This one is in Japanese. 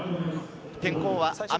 天候は雨。